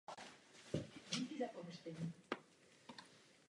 Také učil kreslit děti velkovévody Vladimíra Alexandroviče.